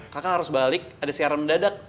kakak harus balik ada siaran mendadak